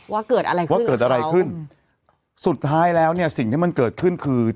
ว่าเกิดอะไรขึ้นว่าเกิดอะไรขึ้นสุดท้ายแล้วเนี่ยสิ่งที่มันเกิดขึ้นคือ